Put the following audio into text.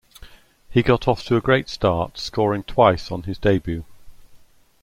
He got off to a great start, scoring twice on his debut.